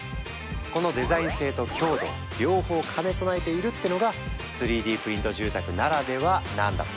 このデザイン性と強度両方兼ね備えているってのが３Ｄプリント住宅ならではなんだとか。